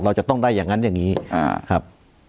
เราจะต้องได้อย่างนั้นอย่างนี้ครับ